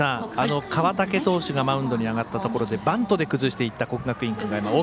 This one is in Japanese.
川竹投手がマウンドに上がったところでバントで崩していった国学院久我山。